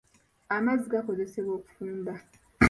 Amazzi gakozesebwa okufumba.